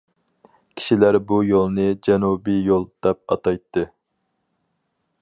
كىشىلەر بۇ يولنى «جەنۇبىي يول» دەپ ئاتايتتى.